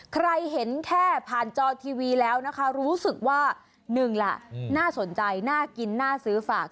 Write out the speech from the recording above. ใครเห็นแค่ผ่านจอทีวีแล้วนะคะรู้สึกว่าหนึ่งล่ะน่าสนใจน่ากินน่าซื้อฝาก